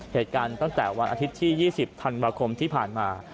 เหตุการณ์ตั้งแต่วันอาทิตย์ที่๒๐ธันวาคมที่ผ่านมา